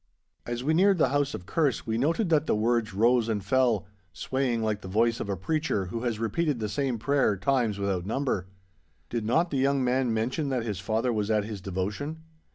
As we neared the house of Kerse we noted that the words rose and fell, swaying like the voice of a preacher who has repeated the same prayer times without number. 'Did not the young man mention that his father was at his devotion?